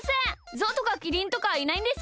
ゾウとかキリンとかいないんですか？